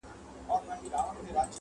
د وطن را باندي پروت یو لوی احسان دی,